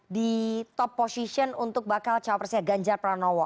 di top position untuk bakal cawapresnya ganjar pranowo